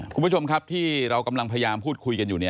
คุณผู้ชมครับที่เรากำลังพยายามพูดคุยกันอยู่